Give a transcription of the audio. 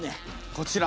こちら。